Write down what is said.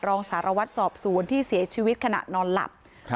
รองสารวัตรสอบสวนที่เสียชีวิตขณะนอนหลับครับ